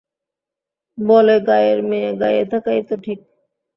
বলে গায়ের মেয়ে গায়ে থাকাই তো ঠিক।